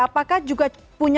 apakah juga punya